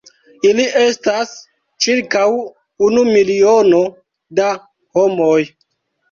Ili estas ĉirkaŭ unu miliono da homoj.